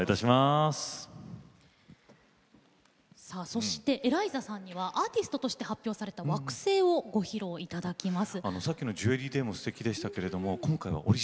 そしてＥＬＡＩＺＡさんにはアーティストとして発表された「惑星」をご披露いただきます。